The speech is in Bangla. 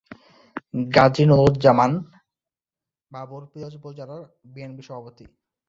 গাজি নুরুজ্জামান বাবুল পিরোজপুর জেলা বিএনপির সভাপতি।